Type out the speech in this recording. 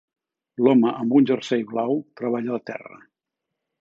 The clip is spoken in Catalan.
L'home amb un jersei blau treballa a terra